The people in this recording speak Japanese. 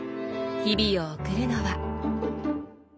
日々を送るのは。